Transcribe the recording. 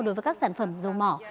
đối với các sản phẩm dầu mỏ